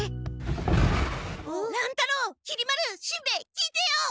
乱太郎きり丸しんべヱ聞いてよ！